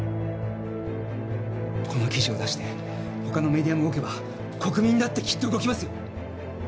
この記事を出して他のメディアも動けば国民だってきっと動きますよ。